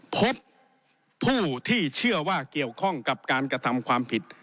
พบผู้ที่เชื่อว่าเกี่ยวข้องกับการกระทำความผิด